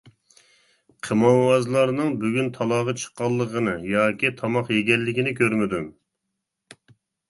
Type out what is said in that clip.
قىمارۋازلارنىڭ بۈگۈن تالاغا چىققانلىقىنى ياكى تاماق يېگەنلىكىنى كۆرمىدىم.